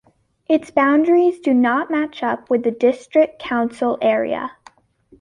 Its boundaries do not match up with the District Council area.